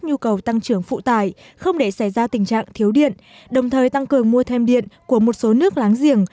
nhu cầu tăng trưởng phụ tải không để xảy ra tình trạng thiếu điện đồng thời tăng cường mua thêm điện của một số nước láng giềng